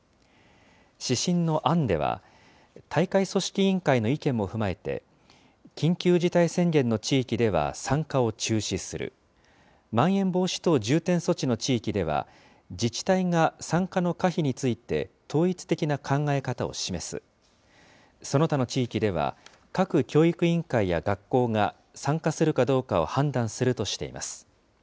指針の案では、大会組織委員会の意見も踏まえて、緊急事態宣言の地域では参加を中止する、まん延防止等重点措置の地域では自治体が参加の可否について、統一的な考え方を示す、その他の地域では、各教育委員会や学校が参加するかどうかを判断するとしています。